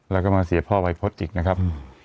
แล้วก็มาเสียพ่อวัยพจน์อีกนะครับ